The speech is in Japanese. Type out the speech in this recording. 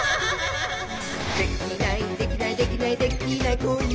「できないできないできないできない子いないか」